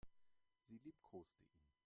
Sie liebkoste ihn.